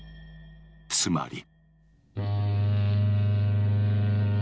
つまり。